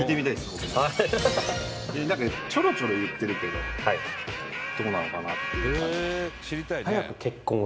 僕もなんかちょろちょろ言ってるけどはいどうなのかなっていう感じ